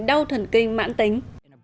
đau thần kinh mãn tính